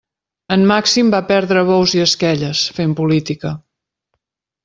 En Màxim va perdre bous i esquelles, fent política.